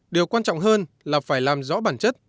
điều quan trọng hơn là phải làm rõ bản chất